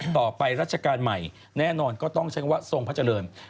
ต่อไปราชการใหม่แน่นอนก็ต้องใช้คำว่าทรงพระเจริญ